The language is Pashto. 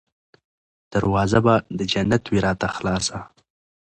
دروازه به د جنت وي راته خلاصه